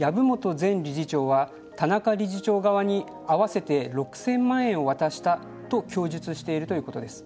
前理事長は田中理事長側に合わせて６０００万円を渡したと供述しているということです。